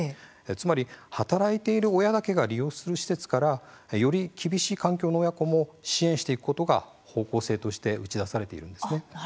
つまり働いている親だけが利用する施設からより厳しい環境の親子も支援していくことが方向性として打ち出されているんですね。